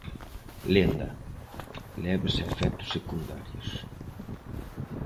Lenda: Leves efectos secundarios.